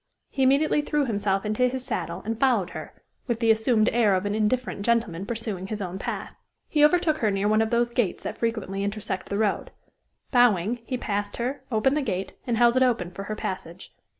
He immediately threw himself into his saddle and followed her, with the assumed air of an indifferent gentleman pursuing his own path. He overtook her near one of those gates that frequently intersect the road. Bowing, he passed her, opened the gate, and held it open for her passage.